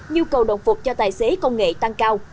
nhu cầu đồng phục cho tài xế công nghệ tăng cao